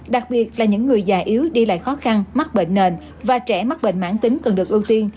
đặc biệt là những người già yếu đi lại khó khăn mắc bệnh nền và trẻ mắc bệnh mãn tính cần được ưu tiên